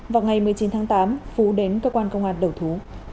vào ngày một mươi chín tháng tám phú đến cơ quan công an đầu thú